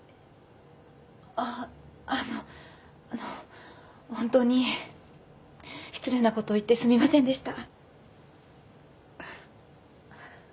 あっあのあの本当に失礼なことを言ってすみませんでした。